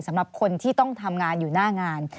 สำหรับคนที่ต้องทำงานอยู่หน้างาน